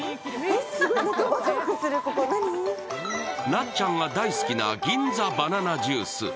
なっちゃんが大好きな銀座バナナジュース。